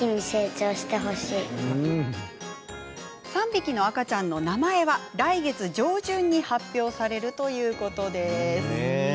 ３匹の赤ちゃんの名前は来月上旬に発表されるということです。